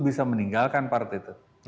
bisa meninggalkan partai itu